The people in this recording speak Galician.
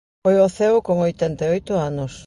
Foi ao ceo con oitenta e oito anos.